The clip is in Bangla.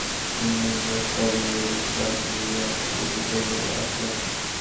তিনি এরপরেই এডিসন নিউ ইয়র্ক সিটিতে চলে আসেন।